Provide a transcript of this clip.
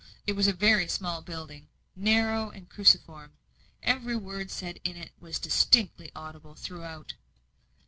It was a very small building, narrow and cruciform; every word said in it was distinctly audible throughout.